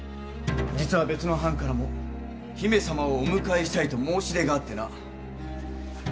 実は別の藩からも姫様をお迎えしたいと申し出があってな。